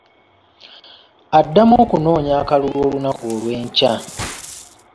Addamu okunoonya akalulu olunaku lw’enkya.